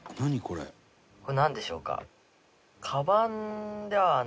これなんでしょうか？